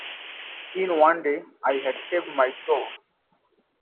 In one day, I had saved my Tour.